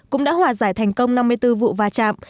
cũng đã hòa giải thành công năm mươi bốn vụ va chạm